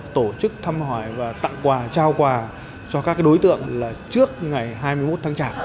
tổ chức thăm hỏi và tặng quà trao quà cho các đối tượng trước ngày hai mươi một tháng chạp